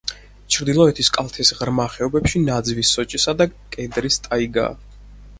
ჩრდილოეთის კალთის ღრმა ხეობებში ნაძვის, სოჭისა და კედრის ტაიგაა.